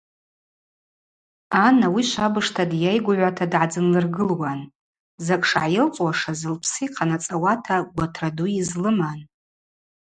Ан ауи швабыж дйайгвыгӏвуата дгӏадзынлыргылуан, закӏ шгӏайылцӏуашыз лпсы йхъанацӏауата гватра ду йызлыман.